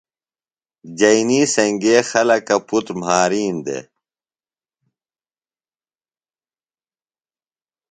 جئینی سنگئے خلکہ پُتر مھارِین دےۡ۔